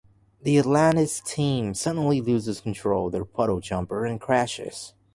The Atlantis team suddenly loses control of their puddle jumper and crashes.